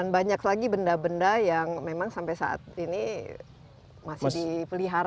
banyak lagi benda benda yang memang sampai saat ini masih dipelihara